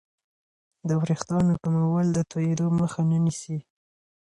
د وریښتانو کمول د توېدو مخه نه نیسي.